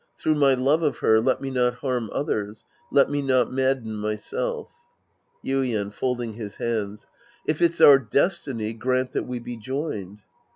Through my love of her, let me not harm others. Let me not madden myself." Ytden {folding his hands). If it's our destiny, grant that we be joined.